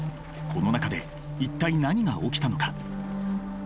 この中で一体何が起きたのか？